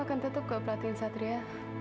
itu gue perhatiin satria